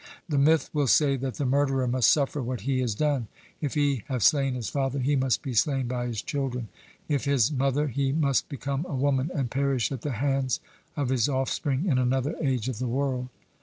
The myth will say that the murderer must suffer what he has done: if he have slain his father, he must be slain by his children; if his mother, he must become a woman and perish at the hands of his offspring in another age of the world.